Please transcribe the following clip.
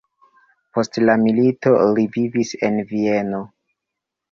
Post la milito li vivis en Vieno.